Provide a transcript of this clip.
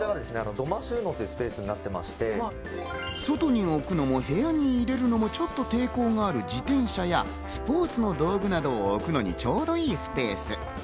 外に置くのも部屋に入れるのもちょっと抵抗がある自転車や、スポーツの道具などを置くのにちょうどいいスペース。